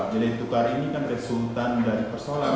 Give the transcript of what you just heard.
nilai tukar ini kan resultan dari persoalan